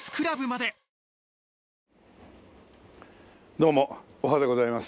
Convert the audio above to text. どうもおはでございます。